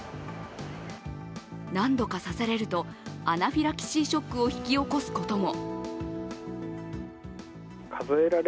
何度か刺されると、アナフィラキシーショックを引き起こすことも。